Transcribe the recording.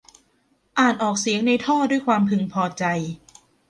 อ่านออกเสียงในท่อด้วยความพึงพอใจ